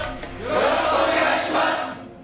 よろしくお願いします。